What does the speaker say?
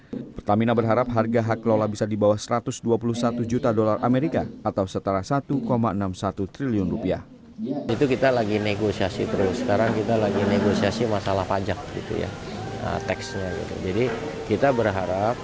pertamina berharap harga hak lola bisa di bawah satu ratus dua puluh satu juta dolar amerika atau setara satu enam puluh satu triliun